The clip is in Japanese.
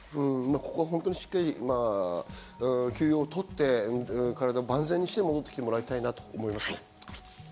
ここはしっかり休養をとって、体を万全にして戻ってきてもらいたいと思います。